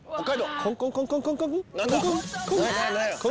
コンコンコンコンコン！